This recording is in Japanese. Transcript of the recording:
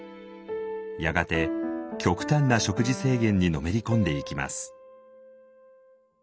やがて極端な食事制限にのめり込んでいきます。